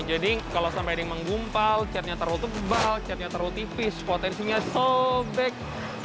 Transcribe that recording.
jadi kalau sampai ini menggumpal catnya terlalu tebal catnya terlalu tipis potensinya sobek